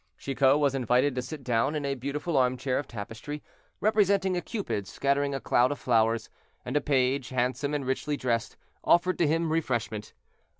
Chicot was invited to sit down in a beautiful armchair of tapestry, representing a Cupid scattering a cloud of flowers; and a page, handsome and richly dressed, offered to him refreshment.